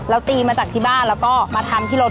แล้วตีมาจากที่บ้านแล้วก็มาทำที่รถ